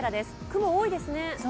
雲、多いですね。